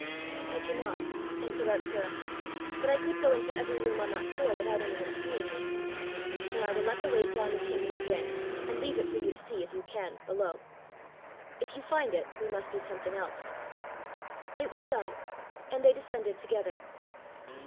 "I cannot," answered Arctura; "but I could go into every room on that floor without anyone seeing me." "Then I will let the weight down the chimney again, and leave it for you to see, if you can, below. If you find it, we must do something else." It was done, and they descended together.